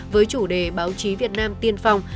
với chủ đề báo chí việt nam tiên phòng